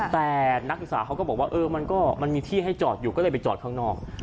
แต่นักศึกษาเขาก็บอกว่าเออมันก็มันมีที่ให้จอดอยู่ก็เลยไปจอดข้างนอก